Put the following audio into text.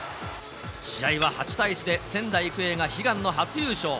試合は８対１で仙台育英が悲願の初優勝。